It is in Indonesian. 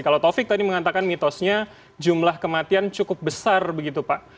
kalau taufik tadi mengatakan mitosnya jumlah kematian cukup besar begitu pak